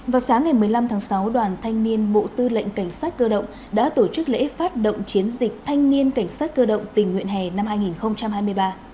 vào sáng ngày một mươi năm tháng sáu đoàn thanh niên bộ tư lệnh cảnh sát cơ động đã tổ chức lễ phát động chiến dịch thanh niên cảnh sát cơ động tình nguyện hè năm hai nghìn hai mươi ba